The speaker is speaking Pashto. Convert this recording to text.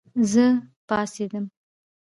زه پاڅېدم